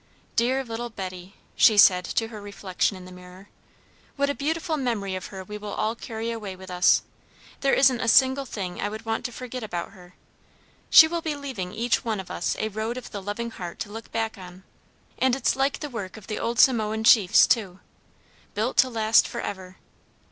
"Dear little Betty!" she said to her reflection in the mirror. "What a beautiful memory of her we will all carry away with us! There isn't a single thing I would want to forget about her. She will be leaving each one of us a Road of the Loving Heart to look back on. And it's like the work of the old Samoan chiefs, too! Built to last for ever.